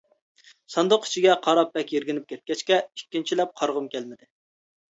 ساندۇق ئىچىگە قاراپ بەك يىرگىنىپ كەتكەچكە ئىككىنچىلەپ قارىغۇم كەلمىدى.